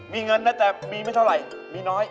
มีเงินนะแต่มีไม่เท่าไหร่มีน้อย